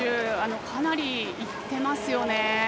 かなりいってますよね。